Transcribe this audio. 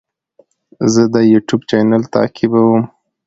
زه د یوټیوب چینل تعقیبوم.